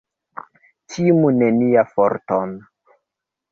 Timu nian forton!